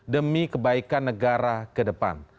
demi kebaikan negara ke depan